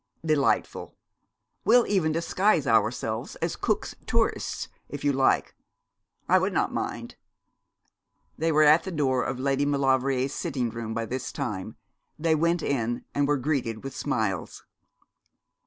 'Delightful! We'll even disguise ourselves as Cook's tourists, if you like. I would not mind.' They were at the door of Lady Maulevrier's sitting room by this time. They went in, and were greeted with smiles.